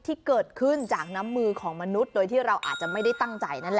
ที่เกิดขึ้นจากน้ำมือของมนุษย์โดยที่เราอาจจะไม่ได้ตั้งใจนั่นแหละ